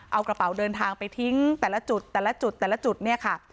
เอากระเป๋าเดินทางไปทิ้งแต่ละจุดแต่ละจุดแต่ละจุดเนี่ยค่ะ